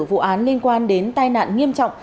vụ án liên quan đến tai nạn nghiêm trọng